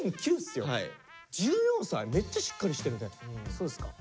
そうですか？